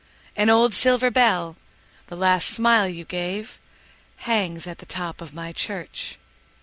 An old silver bell, the last smile you gave, Hangs at the top of my church.